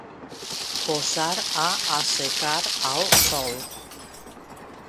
Posar a assecar al sol.